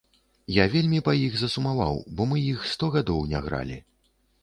Я вельмі па іх засумаваў, бо мы іх сто гадоў не гралі.